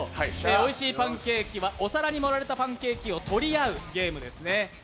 おいしいパンケーキはお皿に盛られたパンケーキを取り合うゲームです。